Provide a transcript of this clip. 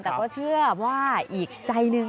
แต่ก็เชื่อว่าอีกใจหนึ่ง